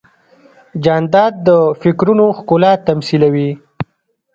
جانداد د فکرونو ښکلا تمثیلوي.